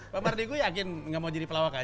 pak mardik gue yakin ngga mau jadi pelawak aja ya